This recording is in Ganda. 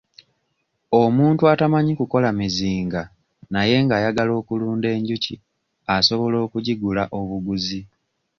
Omuntu atamanyi kukola mizinga naye ng'ayagala okulunda enjuki asobola okugigula obuguzi.